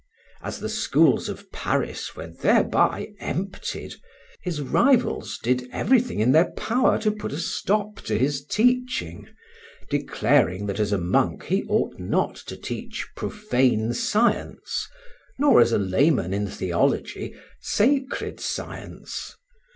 As the schools of Paris were thereby emptied, his rivals did everything in their power to put a stop to his teaching, declaring that as a monk he ought not to teach profane science, nor as a layman in theology sacred science.